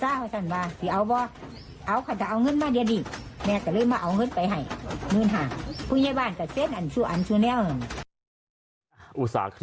ราคานิทยาติภาพบ้านทั้งไปเลยถามว่าจะออก๒หมื่นบาท